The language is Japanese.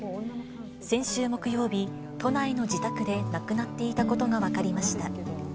先週木曜日、都内の自宅で亡くなっていたことが分かりました。